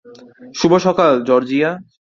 শুভ সকাল, জর্জিয়া।